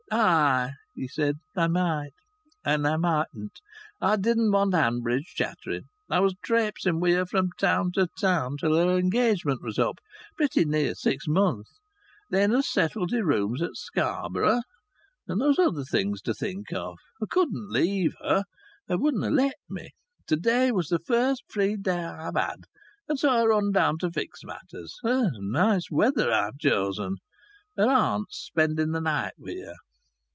"Ah!" he said. "I might and I mightn't. I didn't want Hanbridge chattering. I was trapesing wi' her from town to town till her engagement was up pretty near six months. Then us settled i' rooms at Scarborough, and there was other things to think of. I couldn't leave her. Her wouldna' let me. To day was the fust free day I've had, and so I run down to fix matters. And nice weather I've chosen! Her aunt's spending the night wi' her."